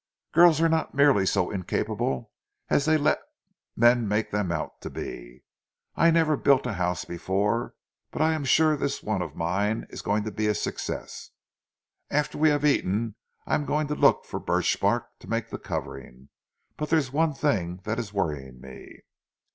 "Girls are not nearly so incapable as they let men make them out to be. I never built a house before, but I am sure this one of mine is going to be a success. After we have eaten I am going to look for birch bark to make the covering, but there's one thing that is worrying me."